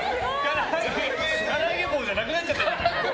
からあげ棒じゃなくなっちゃったじゃん。